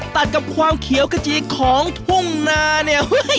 ตัดกับความเขียวกระจีของทุ่งนาเนี่ย